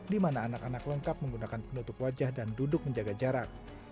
di mana anak anak lengkap menggunakan penutup wajah dan duduk menjaga jarak